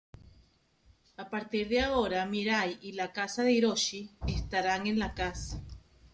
A partir de ahora Mirai y la casa de Hiroshi estarán en la casa.